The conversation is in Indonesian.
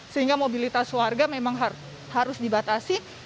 sehingga mobilitas warga memang harus dibatasi